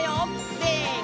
せの！